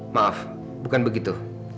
maaf bukan begitu